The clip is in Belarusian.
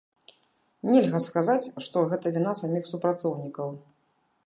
Нельга сказаць, што гэта віна саміх супрацоўнікаў.